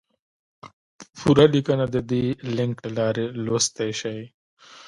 پوره لیکنه د دې لینک له لارې لوستی شئ!